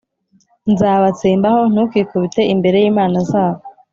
nzabatsembaho Ntukikubite imbere y imana zabo